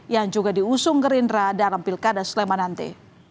yang juga diusung gerindra dalam pilkada sleman nanti